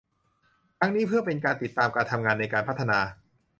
ทั้งนี้เพื่อเป็นการติดตามการทำงานในการพัฒนา